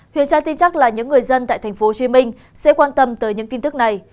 huyền trai tin chắc là những người dân tại tp hcm sẽ quan tâm tới những tin tức này